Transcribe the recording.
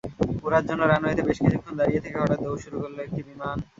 ওড়ার জন্য রানওয়েতে বেশ কিছুক্ষণ দাঁড়িয়ে থেকে হঠাৎ দৌড় শুরু করল একটি বিমান।